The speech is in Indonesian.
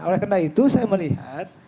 oleh karena itu saya melihat